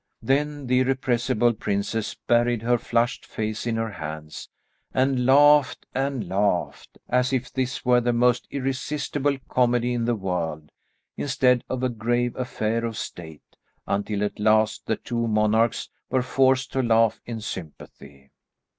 Then the irrepressible princess buried her flushed face in her hands, and laughed and laughed, as if this were the most irresistible comedy in the world, instead of a grave affair of state, until at last the two monarchs were forced to laugh in sympathy.